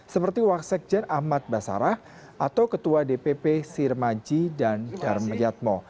seperti wakil sekjen ahmad basarah atau ketua dpp sirmanji dan darma yatmo